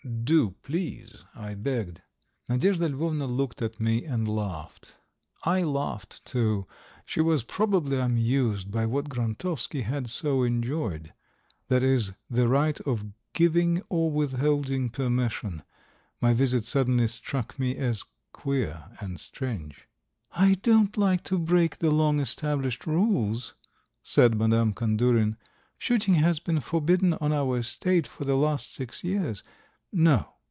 ..." "Do, please," I begged. Nadyezhda Lvovna looked at me and laughed. I laughed too. She was probably amused by what Grontovsky had so enjoyed that is, the right of giving or withholding permission; my visit suddenly struck me as queer and strange. "I don't like to break the long established rules," said Madame Kandurin. "Shooting has been forbidden on our estate for the last six years. No!"